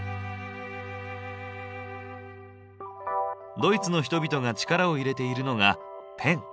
ドイツの人々が力を入れているのがペン。